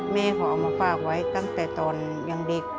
แม่เขาเอามาฝากไว้ตั้งแต่ตอนยังเด็ก